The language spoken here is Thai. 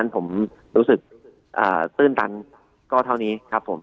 ผมรู้สึกตื้นตันก็เท่านี้ครับผม